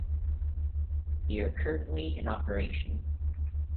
They are currently in operation.